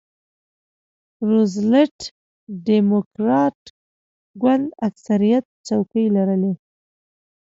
روزولټ ډیموکراټ ګوند اکثریت څوکۍ لرلې.